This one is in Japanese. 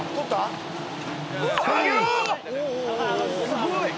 すごい。